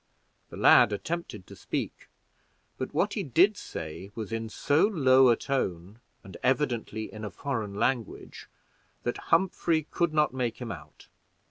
The lad attempted to speak, but what he did say was in so low a tone, and evidently in a foreign language, that Humphrey could not make him out.